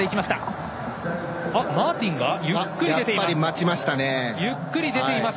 マーティンがゆっくり出ています。